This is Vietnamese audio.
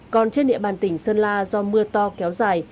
còn trên địa bàn tỉnh sơn la do mưa to kéo dài